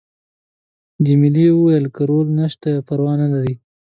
جميلې وويل:: که رول نشته پروا نه لري.